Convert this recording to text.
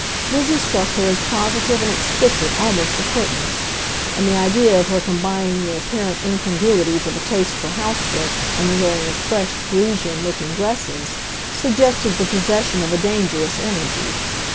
Lizzie struck her as positive and explicit almost to pertness; and the idea of her combining the apparent incongruities of a taste for housework and the wearing of fresh, Parisian looking dresses suggested the possession of a dangerous energy.